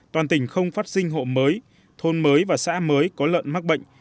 toàn tỉnh không phát sinh hộ mới thôn mới và xã mới có lợn mắc bệnh